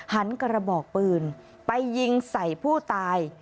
หันกระบอกปืนไปยิงใส่ผู้ตาย